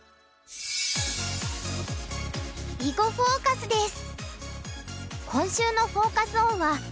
「囲碁フォーカス」です。